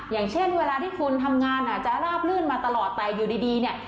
อย่างเช่นเวลาที่คุณทำงานอาจจะราบลื่นมาตลอดแต่อยู่ดีเนี่ย